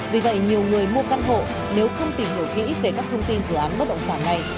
vì vậy nhiều người mua căn hộ nếu không tìm hiểu kỹ về các thông tin dự án bất động sản này